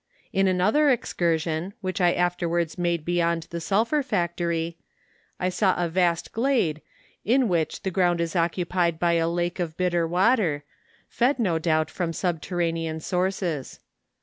In another excursion, which I afterwards made be¬ yond the sulphur factory, I saw a vast glade, in which the ground is occupied by a lake of bitter water, fed, no doubt, from subterranean sources.